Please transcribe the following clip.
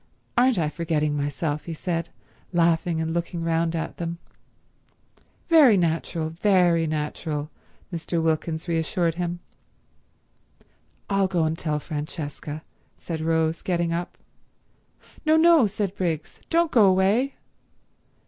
"Aren't I forgetting myself," he said, laughing and looking round at them. "Very natural, very natural," Mr. Wilkins reassured him. "I'll go and tell Francesca," said Rose, getting up. "No, no," said Briggs. "Don't go away."